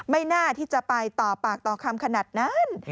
ไม่น่าที่จะไปต่อปากต่อคำขนาดนั้น